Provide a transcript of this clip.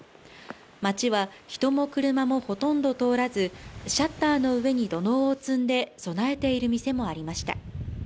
街は人も車もほとんど通らずシャッターの上に土のうを積んで備えている店もありました。